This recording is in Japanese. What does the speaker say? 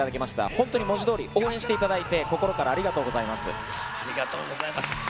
本当に文字どおり応援していただいて、心からありがとうございまありがとうございます。